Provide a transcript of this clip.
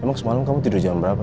emang semalam kamu tidur jam berapa